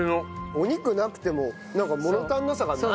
お肉なくてもなんか物足りなさがない。